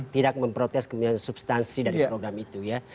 tidak memprotes kemudian substansi dari program itu ya